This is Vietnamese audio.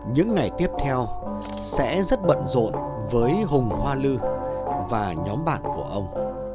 những ngày tiếp theo sẽ rất bận rộn với hùng hoa lư và nhóm bạn của ông